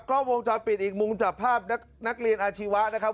ก็วงจอดปิดอีกมุมจับภาพนักเรียนอาชีวะนะครับ